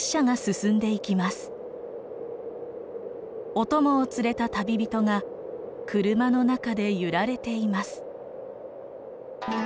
お供を連れた旅人が車の中で揺られています。